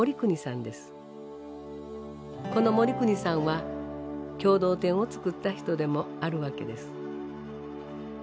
この盛邦さんは共同店をつくった人でもあるわけです。